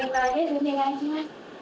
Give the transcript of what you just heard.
お願いします。